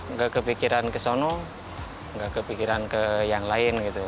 nggak kepikiran ke sana nggak kepikiran ke yang lain gitu